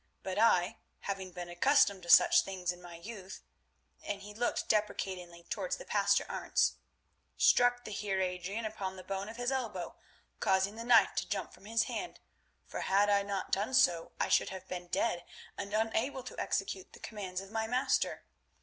But I, having been accustomed to such things in my youth," and he looked deprecatingly towards the Pastor Arentz, "struck the Heer Adrian upon the bone of his elbow, causing the knife to jump from his hand, for had I not done so I should have been dead and unable to execute the commands of my master.